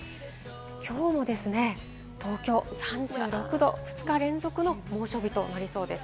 きょうも東京３６度、２日連続の猛暑日となりそうです。